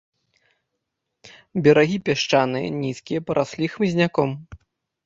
Берагі пясчаныя, нізкія, параслі хмызняком.